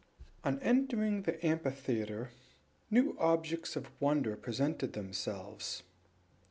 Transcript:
On entering the amphitheatre, new objects of wonder presented themselves.